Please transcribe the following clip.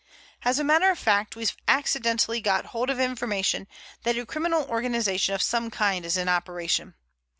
As a matter of fact, we've accidentally got hold of information that a criminal organization of some kind is in operation.